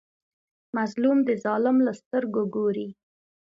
مظلوم د ظالم له سترګو ګوري.